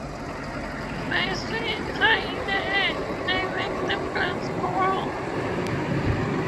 By swinging high in the air, they make the plants grow.